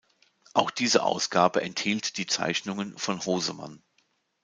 Auch diese Ausgabe enthielt die Zeichnungen von Hosemann.